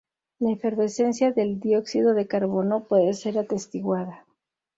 La efervescencia del dióxido de carbono puede ser atestiguada.